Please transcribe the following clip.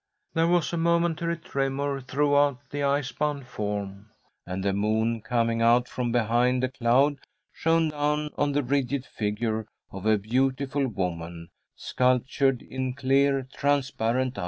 There was a momentary tremor throughout the ice bound form, and the moon, coming out from behind a cloud, shone down on the rigid figure of a beautiful woman sculptured in clear, transparent ice.